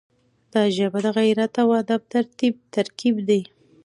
دا ژبه د غیرت او ادب ترکیب دی.